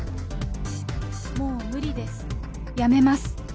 もう無理です、辞めます。